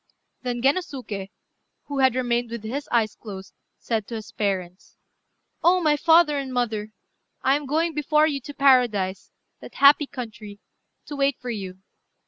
Then Gennosuké, who had remained with his eyes closed, said to his parents "Oh! my father and mother, I am going before you to paradise, that happy country, to wait for you.